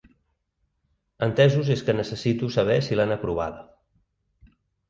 Entesos es que necessito saber si l,han aprovada.